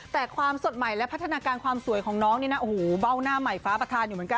แต่ความสดใหม่และพัฒนาการความสวยของน้องนี่นะโอ้โหเบ้าหน้าใหม่ฟ้าประธานอยู่เหมือนกัน